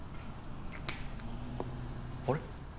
あれ？